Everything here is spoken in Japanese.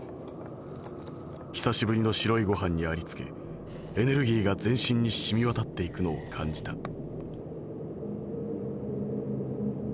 久しぶりの白いご飯にありつけエネルギーが全身にしみわたっていくのを感じた」。